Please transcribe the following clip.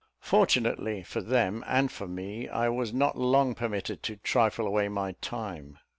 Fortunately for them and for me, I was not long permitted to trifle away my time.